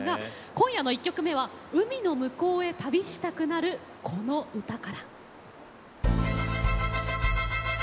今夜の１曲目は海の向こうへ旅したくなるこの歌から。